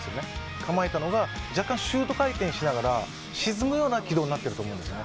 構えたのが若干シュート回転しながら沈むような軌道になってると思うんですね。